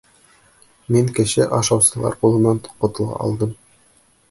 — Мин кеше ашаусылар ҡулынан ҡотола алдым.